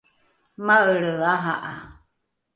maelre aha’a